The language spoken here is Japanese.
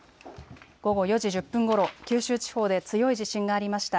午後４時１０分ごろ、九州地方で強い地震がありました。